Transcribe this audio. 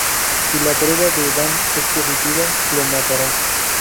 Si la prueba de Dan es positiva, lo matará.